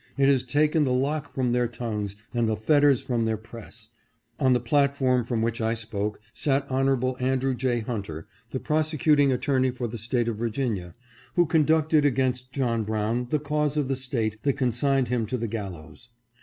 It has taken the lock from their tongues and the fetters from their press, On the platform from which I spoke, sat Hon. Andrew J. Hunter, the prosecuting attorney for the State of Vir ginia, who conducted against John Brown, the cause of the State that consigned him to the gallows.